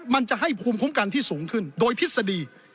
มันจะให้ภูมิคุ้มกันที่สูงขึ้นโดยทฤษฎี